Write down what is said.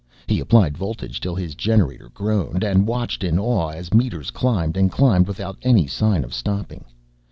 He applied voltage till his generator groaned, and watched in awe as meters climbed and climbed without any sign of stopping.